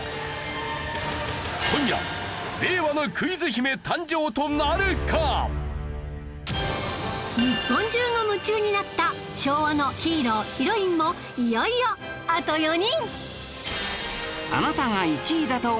今夜日本中が夢中になった昭和のヒーロー＆ヒロインもいよいよあと４人